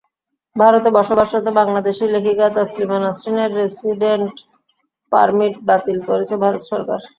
ভারতে বসবাসরত বাংলাদেশি লেখিকা তসলিমা নাসরিনের রেসিডেন্ট পারমিট বাতিল করেছে ভারত সরকার।